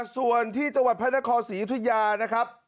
ส่วนที่จังหวัดพระนครศรียุธยานะครับ